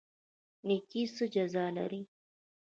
نیکي څه جزا لري؟